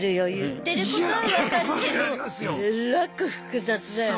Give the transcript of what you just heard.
言ってることは分かるけどえらく複雑だよね。